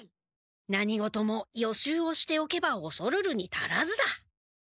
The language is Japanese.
何事も予習をしておけばおそるるに足らずだ。